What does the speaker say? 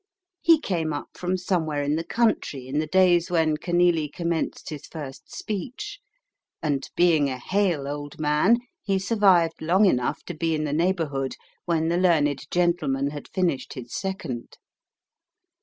He came up from somewhere in the country in the days when Kenealy commenced his first speech, and, being a hale old man, he survived long enough to be in the neighbourhood when the learned gentleman had finished his second.